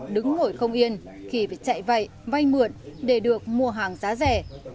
đứng ngồi không yên khi phải chạy vậy vay mượn để được mua hàng giá rẻ